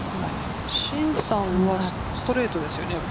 シンさんはストレートですよね。